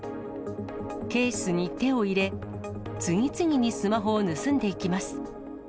ケースに手を入れ、次々にスマホを盗んでいきます。